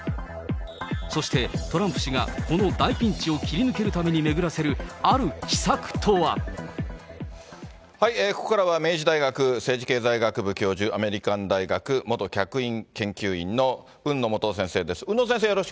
そして、トランプ氏がこの大ピンチを切り抜けるために巡らせるある奇策とここからは、明治大学政治経済学部教授、アメリカン大学元客員研究員の海野素央先生です。